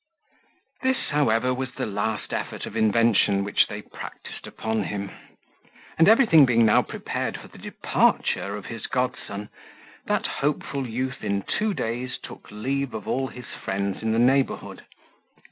This, however, was the last effort of invention which they practised upon him; and everything being now prepared for the departure of his godson, that hopeful youth in two days took leave of all his friends in the neighbourhood.